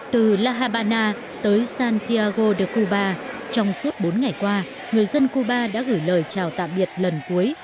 từ la habana tới santiago de cuba trong suốt bốn ngày qua người dân cuba đã gửi lời chào tạm biệt lần cuối